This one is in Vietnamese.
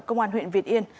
công an huyện việt yên